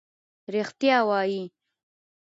رښتیا وایې.